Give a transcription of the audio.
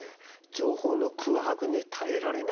情報の空白に耐えられないんですよ。